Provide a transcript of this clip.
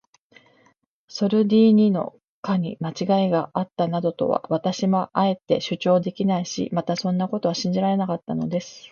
ソルディーニの課にまちがいがあったなどとは、私もあえて主張できないし、またそんなことは信じられなかったのです。